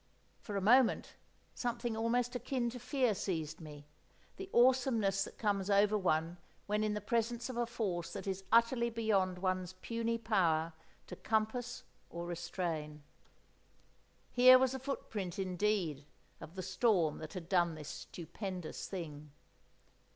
For a moment something almost akin to fear seized me, the awesomeness that comes over one when in the presence of a force that is utterly beyond one's puny power to compass or restrain. Here was a footprint, indeed, of the storm that had done this stupendous thing.